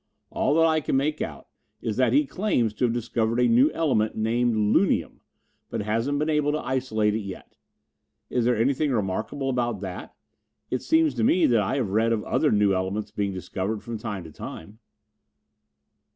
"All that I can make out of it is that he claims to have discovered a new element named 'lunium,' but hasn't been able to isolate it yet. Is there anything remarkable about that? It seems to me that I have read of other new elements being discovered from time to time."